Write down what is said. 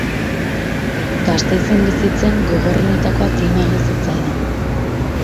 Gasteizen bizitzen gogorrenetakoa klima egin zitzaidan.